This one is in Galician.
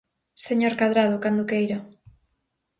Señor Cadrado, cando queira.